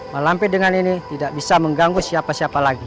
malam ini tidak bisa mengganggu siapa siapa lagi